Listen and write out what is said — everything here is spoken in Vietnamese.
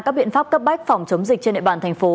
các biện pháp cấp bách phòng chống dịch trên địa bàn thành phố